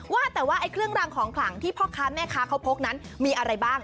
ว่าแต่ว่าไอ้เครื่องรางของขลังที่พ่อค้าแม่ค้าเขาพกนั้นมีอะไรบ้าง